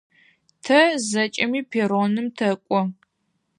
Тэ зэкӏэми перроным тэкӏо.